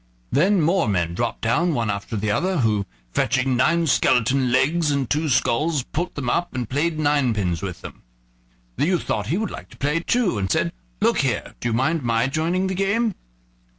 Then more men dropped down, one after the other, who fetching nine skeleton legs and two skulls, put them up and played ninepins with them. The youth thought he would like to play too, and said: "Look here; do you mind my joining the game?"